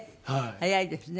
早いですね。